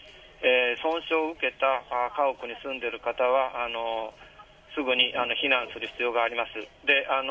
損傷を受けた家屋に住んでいる方はすぐに避難する必要があります。